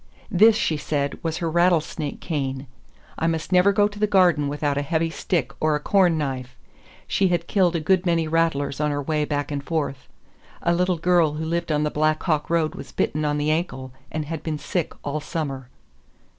This, she said, was her rattlesnake cane. I must never go to the garden without a heavy stick or a corn knife; she had killed a good many rattlers on her way back and forth. A little girl who lived on the Black Hawk road was bitten on the ankle and had been sick all summer.